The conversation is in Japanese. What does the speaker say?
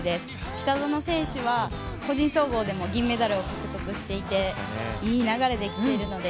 北園選手は、個人総合でも銀メダルを獲得していていい流れできているので。